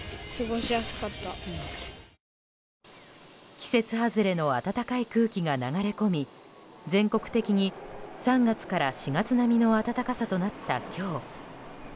季節外れの暖かい空気が流れ込み全国的に、３月から４月並みの暖かさとなった今日。